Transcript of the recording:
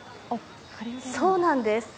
そうなんです。